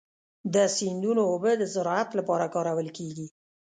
د سیندونو اوبه د زراعت لپاره کارول کېږي.